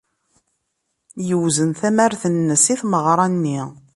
Yewzen tamart-nnes i tmeɣra-nni.